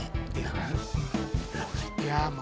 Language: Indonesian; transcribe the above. ya ya pak